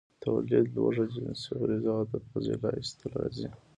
، توليد، لوږه، جنسي غريزه او د فضله ايستل راځي.